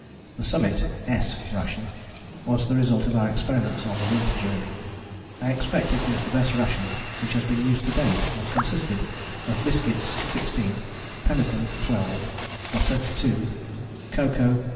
The Summit (S) ration was the result of our experiments on the Winter Journey. I expect it is the best ration which has been used to date, and consisted of biscuits 16, pemmican 12, butter 2, cocoa 0.